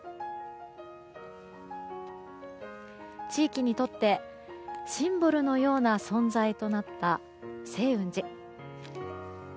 地域にとってシンボルのような存在となった清雲寺。